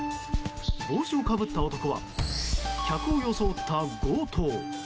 帽子をかぶった男は客を装った強盗。